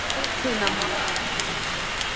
El se enamora de ella.